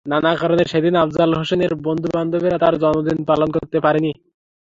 নানা কারণে সেদিন আফজাল হোসেনের বন্ধুবান্ধবেরা তাঁর জন্মদিন পালন করতে পারেননি।